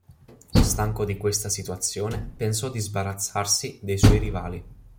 Stanco di questa situazione pensò di sbarazzarsi dei suoi rivali.